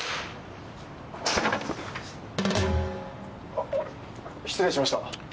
あっ失礼しました。